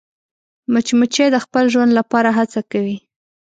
مچمچۍ د خپل ژوند لپاره هڅه کوي